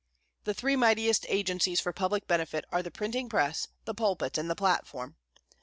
The three mightiest agencies for public benefit are the printing press, the pulpit, and the platform.